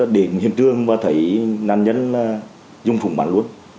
để hiện trường và thấy nạn nhân dung thủng bắn luôn